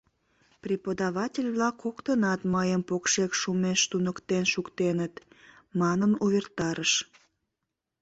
Преподаватель-влак коктынат мыйым покшек шумеш туныктен шуктеныт, манын увертарыш.